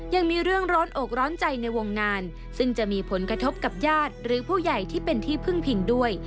ยังมีเรื่องร้อนอกร้อนใจในวงงานซึ่งจะมีผลกระทบกับญาติหรือผู้ใหญ่ที่เป็นที่พึ่งพิงด้วย